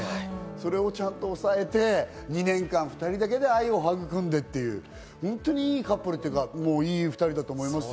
それをちゃんと抑えて、２年間２人だけで愛を育んでっていう、ほんとにいいカップルっていうか、いい２人だと思いますよ。